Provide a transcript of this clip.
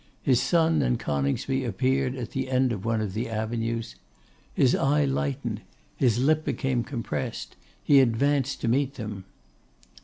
His son and Coningsby appeared at the end of one of the avenues. His eye lightened; his lip became compressed; he advanced to meet them.